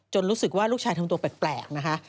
รู้สึกว่าลูกชายทำตัวแปลกนะคะ